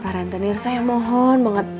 farentenir saya mohon banget